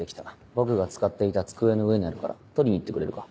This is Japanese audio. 僕が使っていた机の上にあるから取りに行ってくれるか？